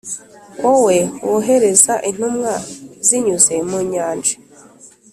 wowe wohereza intumwa zinyuze mu nyanja,